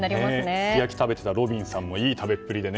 すき焼き食べていたロビンさんもいい食べっぷりでね。